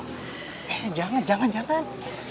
eh jangan jangan jangan